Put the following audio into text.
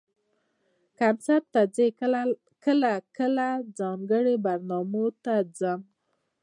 کنسرټ ته ځئ؟ کله کله، ځانګړو برنامو ته ځم